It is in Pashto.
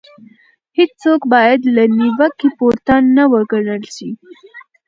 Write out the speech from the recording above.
هيڅوک بايد له نيوکې پورته ونه ګڼل شي.